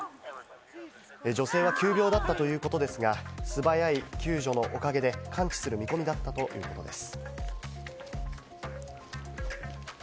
女性は急病だったということですが、素早い救助のおかげで完治する見込みだということです。